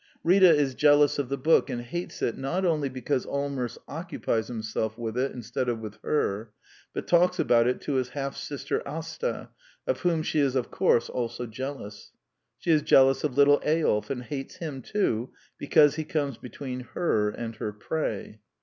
Rita is jealous of the book, and hates it not only because AUmers occupies himself with it instead of with her, but talks about it to his half sister Asta, of whom she is of course also jealous. She is jealous of little Eyolf, and hates him too, because he comes between her and her prey.